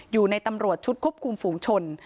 อยู่ในตำรวจชุดควบคุมฝูงชน